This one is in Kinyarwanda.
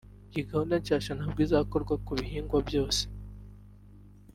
Iyi gahunda nshya ntabwo izakora ku bihingwa byose